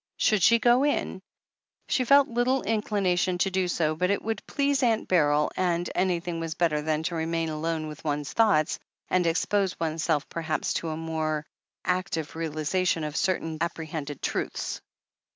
Should she go in ? She felt little inclination to do so, but it would please Aunt Beryl, and anything was better than to remain alone with one's thoughts, and expose oneself perhaps to a more active realization of certain dimly appre hended truths.